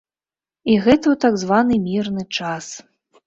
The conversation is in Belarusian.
І гэта ў так званы мірны час.